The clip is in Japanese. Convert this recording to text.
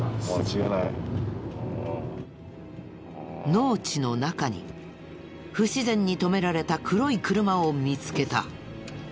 農地の中に不自然に止められた黒い車を見つけた。